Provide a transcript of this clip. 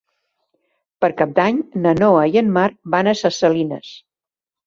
Per Cap d'Any na Noa i en Marc van a Ses Salines.